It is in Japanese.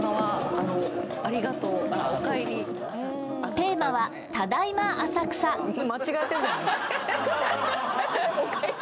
テーマは「ただいま浅草」お帰り